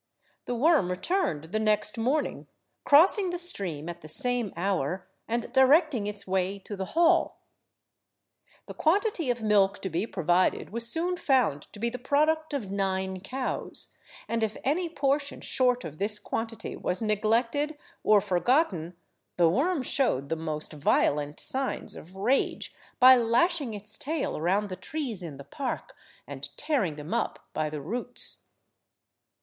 The worm returned the next morning, crossing the stream at the same hour, and directing its way to the hall. The quantity of milk to be provided was soon found to be the product of nine cows, and if any portion short of this quantity was neglected or forgotten the worm showed the most violent signs of rage, by lashing its tail around the trees in the park, and tearing them up by the roots.